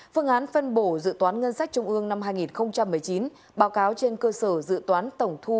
phương án phân bổ dự toán ngân sách trung ương năm hai nghìn một mươi chín báo cáo trên cơ sở dự toán tổng thu